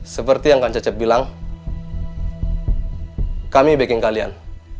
seperti yang kak cacep bilang kami bikin kalian